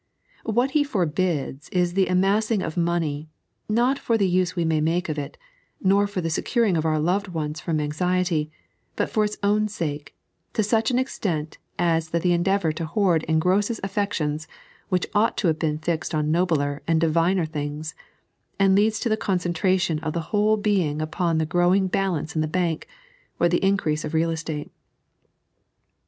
What He forbids is the amassing of money, not for the use we may make of it, nor for the securing of our loved ones from anxiety, but for its own sake, to such an extent as that the endeavour to hoard engrosses affections which ought to be fixed on nobler and diviner things, and leads to the concentration of the whole being upon the growing balance in the bank or the increase of Beal Estete.